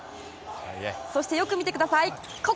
そして、よく見てください。